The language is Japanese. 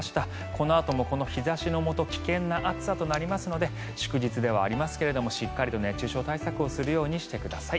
このあともこの日差しのもと危険な暑さとなりますので祝日ではありますがしっかりと熱中症対策をするようにしてください。